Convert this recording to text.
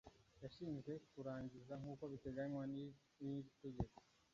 yashinzwe kurangiza nk uko biteganywa n iri tegeko